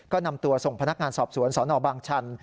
ก็นำตัวส่งพนักงานสอบสวนสนบางชัน